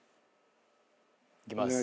いきます。